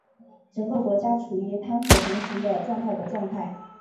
整个国家处于贪腐横行的状态的状态。